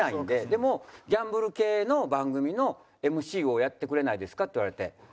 でも「ギャンブル系の番組のＭＣをやってくれないですか」って言われて。